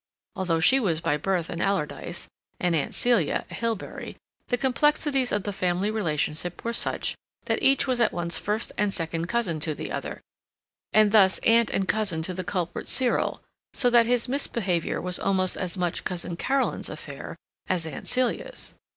Although she was by birth an Alardyce, and Aunt Celia a Hilbery, the complexities of the family relationship were such that each was at once first and second cousin to the other, and thus aunt and cousin to the culprit Cyril, so that his misbehavior was almost as much Cousin Caroline's affair as Aunt Celia's.